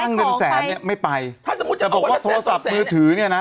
เงินแสนเนี่ยไม่ไปถ้าสมมุติจะบอกว่าถ้าโทรศัพท์มือถือเนี่ยนะ